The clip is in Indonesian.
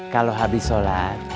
kalau habis sholat